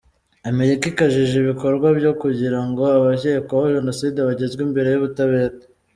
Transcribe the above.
Amerika ikajije ibikorwa byo kugira ngo abakekwaho Jenoside bagezwe imbere y’ubutabera.